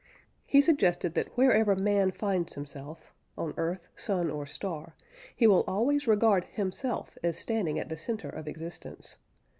He suggested that wherever man finds himself on earth, sun, or star he will always regard himself as standing at the centre of existence.